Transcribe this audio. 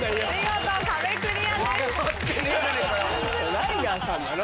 ライガーさんなの？